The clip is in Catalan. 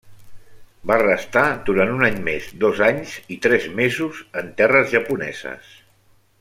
Va restar durant un any més dos anys i tres mesos en terres japoneses.